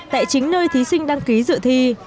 tại chính nơi thí sinh đăng ký dự thi